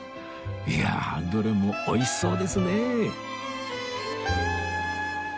いやあどれも美味しそうですね！